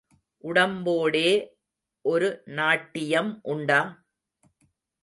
உடம்போடே ஒரு நாட்டியம் உண்டா?